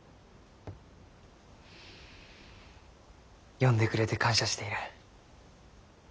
呼んでくれて感謝している。